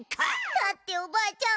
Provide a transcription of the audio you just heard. だっておばあちゃん